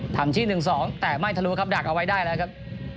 ทำที่๑๒แต่ไม่ทะลุครับดักเอาไว้ได้แล้วครับ